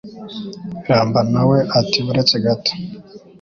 Ramba na we ati buretse gato